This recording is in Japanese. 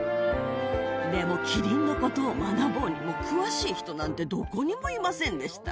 でもキリンのことを学ぼうにも、詳しい人なんてどこにもいませんでした。